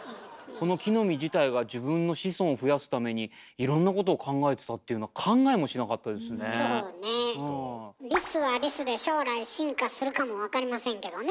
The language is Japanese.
木の実自体が自分の子孫を増やすためにいろんなことを考えてたっていうのはリスはリスで将来進化するかもわかりませんけどね。